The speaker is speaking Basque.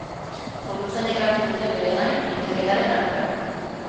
Foruzainek hartu dute beregain ikerketaren ardura.